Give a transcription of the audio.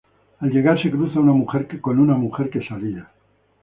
Al llegar se cruza una mujer que salía.